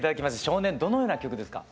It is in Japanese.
「少年」どのような曲ですか？